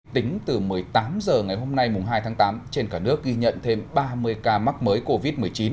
tính từ một mươi tám h ngày hôm nay hai tháng tám trên cả nước ghi nhận thêm ba mươi ca mắc mới covid một mươi chín